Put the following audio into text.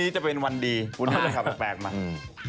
จริง